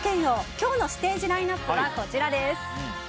今日のステージラインアップはこちらです。